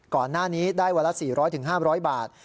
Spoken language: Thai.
ก่อนหน้านี้ได้วันละ๔๐๐๕๐๐บาท